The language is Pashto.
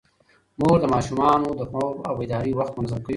مور د ماشومانو د خوب او بیدارۍ وخت منظم کوي.